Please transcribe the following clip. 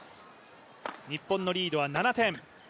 日本のリードは７点。